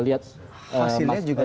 hasilnya juga tidak terlalu jauh